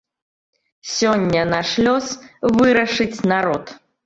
Сёння наш лёс вырашыць народ.